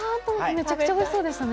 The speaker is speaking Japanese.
めちゃくちゃおいしそうですよね。